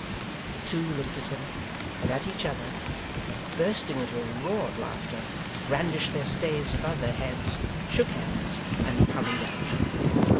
The two looked at him, and at each other; then bursting into a roar of laughter, brandished their staves above their heads, shook hands, and hurried out.